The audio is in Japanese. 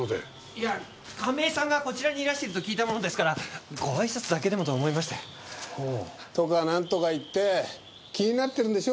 いや亀井さんがこちらにいらしていると聞いたものですからごあいさつだけでもと思いまして。とかなんとか言って気になってるんでしょ？